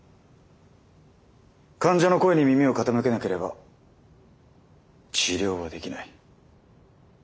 患者の声に耳を傾けなければ治療はできない。